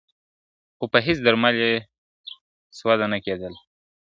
خو په هیڅ درمل یې سوده نه کېدله ,